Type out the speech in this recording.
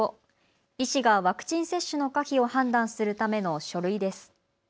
医師がワクチン接種の可否を判断するための書類です。